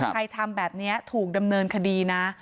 ทำแบบนี้ถูกดำเนินคดีนะ